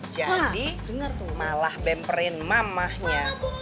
jadi malah bemperin mamahnya